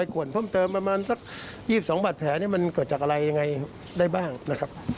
สรุปแล้วในชิ้นส่วนเล็บมันมีของคนอื่นอยู่ไหมครับ